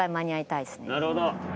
なるほど。